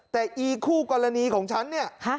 แต่อีคู่กรณีของฉันเนี่ย